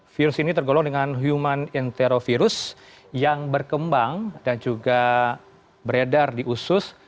virus ini tergolong dengan human interovirus yang berkembang dan juga beredar di usus